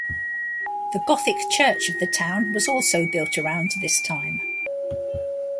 The Gothic church of the town was also built around this time.